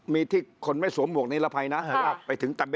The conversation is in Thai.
มีที่คนไม่สวมโหมกนิรภัยไปถึงตำแบะ